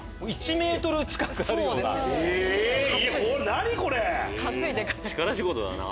何これ⁉力仕事だな。